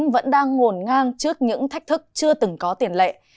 vẫn đang ngổn ngang trước những thách thức chưa từng có tiền lệ